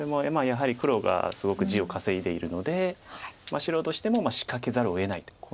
やはり黒がすごく地を稼いでいるので白としても仕掛けざるをえないと。